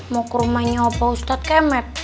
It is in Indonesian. mau ke rumahnya opo ustadz kemet